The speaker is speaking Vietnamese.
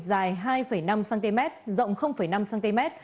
dài hai năm cm rộng năm cm